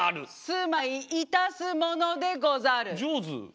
「住まいいたすものでござる」。